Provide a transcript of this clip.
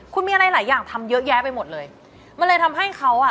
คุณมีอะไรหลายอย่างทำเยอะแยะไปหมดเลยมันเลยทำให้เขาอ่ะ